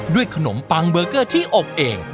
ขนมปังเบอร์เกอร์ที่อบเอง